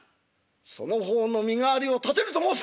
その方の身代わりを立てると申すか！」。